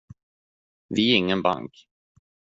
Vi är ingen bank.